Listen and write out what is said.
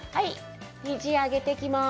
肘を上げていきます。